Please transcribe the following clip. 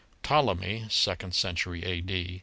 Ptolemy (second century a.d.)